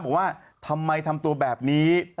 บอกว่าทำไมทำตัวแบบนี้